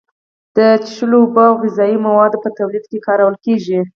د څښلو اوبو او غذایي موادو په تولید کې کارول کیږي.